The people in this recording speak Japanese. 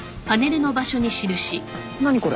何これ。